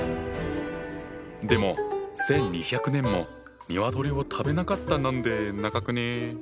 でも１，２００年も鶏を食べなかったなんて長くね？